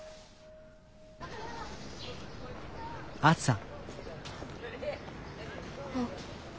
あっ。